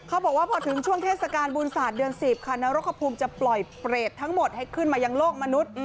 เขาบอกว่าพอถึงช่วงเทศกาลบุญศาสตร์เดือน๑๐ค่ะนรกภูมิจะปล่อยเปรตทั้งหมดให้ขึ้นมายังโลกมนุษย์